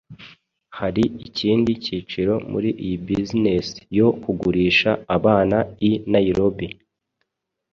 hari ikindi kiciro muri iyi business yo kugurisha abana i nairobi